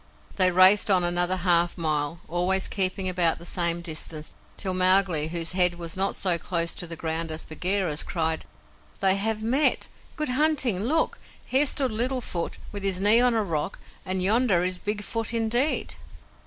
They raced on another half mile, always keeping about the same distance, till Mowgli, whose head was not so close to the ground as Bagheera's, cried: "They have met. Good hunting look! Here stood Little Foot, with his knee on a rock and yonder is Big Foot indeed!"